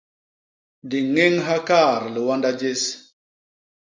Di ñéñha kaat liwanda jés.